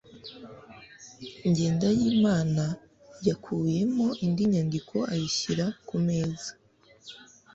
Jyendayimana yakuyemo indi nyandiko ayishyira ku meza.